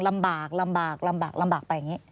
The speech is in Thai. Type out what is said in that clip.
ลำบากไปอย่างนี้